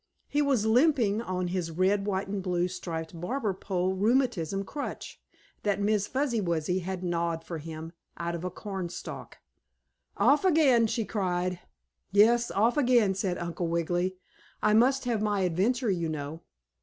He was limping on his red, white and blue striped barber pole rheumatism crutch, that Miss Fuzzy Wuzzy had gnawed for him out of a cornstalk. "Off again!" she cried. "Yes, off again," said Uncle Wiggily. "I must have my adventure, you know."